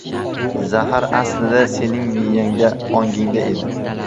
Zahar aslida sening miyangda, ongingda edi.